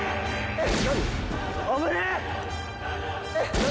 えっ？